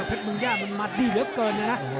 เป็นที่และ